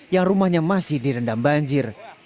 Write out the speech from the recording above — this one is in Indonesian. yang rumahnya masih direndam banjir